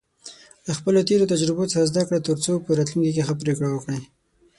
له خپلو تېرو تجربو څخه زده کړه، ترڅو په راتلونکي کې ښه پریکړې وکړې.